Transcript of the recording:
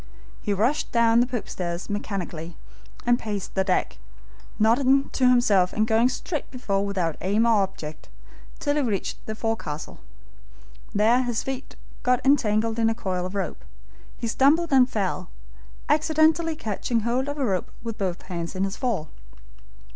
He rushed down the poop stairs mechanically and paced the deck, nodding to himself and going straight before without aim or object till he reached the forecastle. There his feet got entangled in a coil of rope. He stumbled and fell, accidentally catching hold of a rope with both hands in his fall.